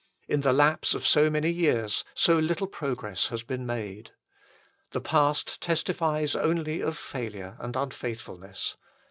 In the lapse of so many years so little progress has been made. The past testifies only of failure and unfaithful ness.